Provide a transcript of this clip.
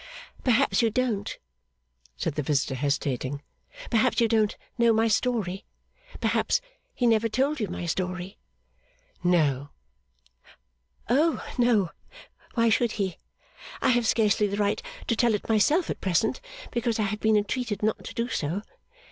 'Perhaps you don't,' said the visitor, hesitating 'perhaps you don't know my story? Perhaps he never told you my story?' 'No.' 'Oh no, why should he! I have scarcely the right to tell it myself at present, because I have been entreated not to do so.